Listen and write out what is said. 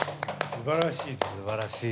すばらしい。